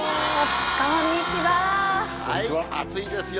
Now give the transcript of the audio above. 暑いですよ。